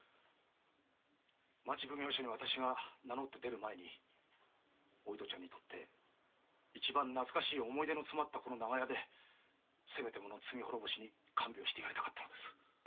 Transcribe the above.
町奉行に名乗って出る前にお糸ちゃんにとって一番懐かしい思い出の詰まったこの長屋でせめてもの罪滅ぼしに看病してやりたかったのです。